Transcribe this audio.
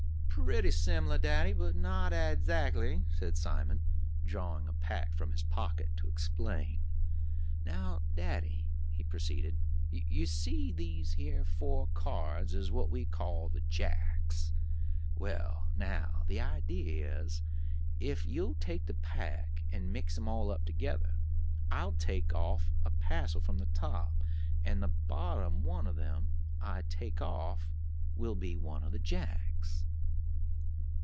"Pretty similyar, daddy, but not adzactly," said Simon, drawing a pack from his pocket to explain. "Now, daddy," he proceeded, "you see these here four cards is what we call the Jacks. Well, now, the idee is, if you'll take the pack and mix 'em all up together, I'll take off a passel from the top, and the bottom one of them I take off will be one of the Jacks."